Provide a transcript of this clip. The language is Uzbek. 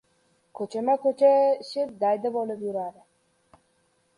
— Ko‘chama-ko‘cha ichib, daydi bo‘lib yuradi.